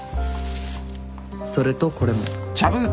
それとこれも。